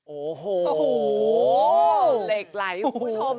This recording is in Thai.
โอ้โหหล็กหลายปู่